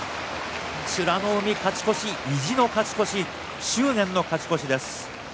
美ノ海、勝ち越し意地の勝ち越し執念の勝ち越しです。